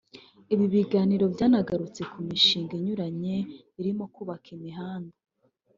Ibi biganiro byanagarutse ku mishinga inyuranye irimo kubaka imihanda